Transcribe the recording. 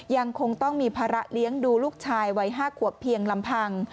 ยังคงต้องมีภาระเลี้ยงดูลูกชายวัย๕ขวบเพียงลำพัง